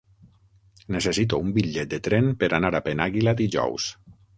Necessito un bitllet de tren per anar a Penàguila dijous.